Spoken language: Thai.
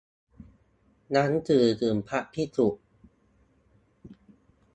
หนังสือถึงพระภิกษุ